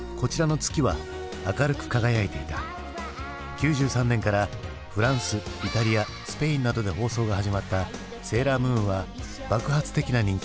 ９３年からフランスイタリアスペインなどで放送が始まった「セーラームーン」は爆発的な人気に。